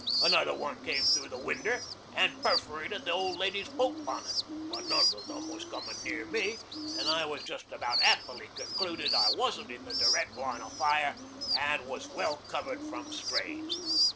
Another one came through the window an' perforated the old lady's poke bonnet, but none o' them was comin' near me, an' I was just about happily concludin' I wasn't in the direct line o' fire an' was well covered from strays.